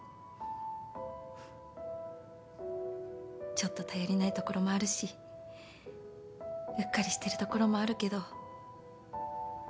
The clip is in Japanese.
ちょっと頼りないところもあるしうっかりしてるところもあるけど。